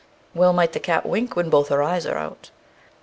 _Well might the cat wink when both her eyes were out.